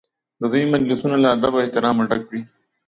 د دوی مجلسونه له ادب او احترامه ډک وي.